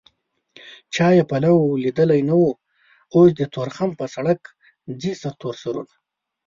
چا يې پلو ليدلی نه و اوس د تورخم په سرک ځي سرتور سرونه